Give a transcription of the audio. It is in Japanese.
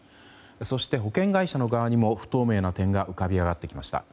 そして、保険会社の側にも不透明な点が浮かび上がってきました。